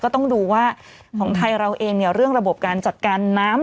ต้องดูว่าของไทยเราเองเนี่ยเรื่องระบบการจัดการน้ำ